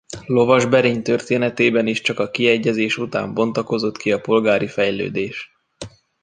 Lovasberény történetében is csak a kiegyezés után bontakozott ki a polgári fejlődés.